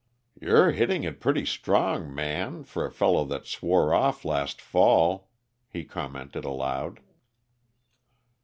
"You're hitting it pretty strong, Man, for a fellow that swore off last fall," he commented aloud.